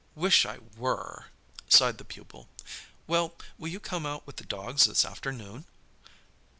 "Wish I were!" sighed the pupil. "Well, will you come out with the dogs this afternoon?"